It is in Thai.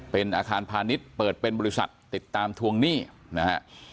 เป็นอาคารพาณิชย์เปิดเป็นบริษัทติดตามทวงหนี้นะฮะ